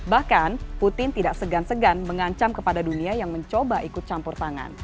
bahkan putin tidak segan segan mengancam kepada dunia yang mencoba ikut campur tangan